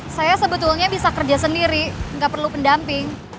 saya sebetulnya bisa kerja sendiri nggak perlu pendamping